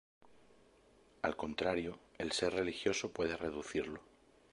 Al contrario, el ser religioso puede reducirlo.